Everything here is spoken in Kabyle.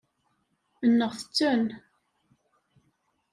Nɣet-ten.